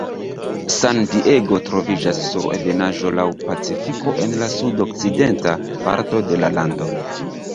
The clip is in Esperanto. San-Diego troviĝas sur ebenaĵo laŭ Pacifiko en la sud-okcidenta parto de la lando.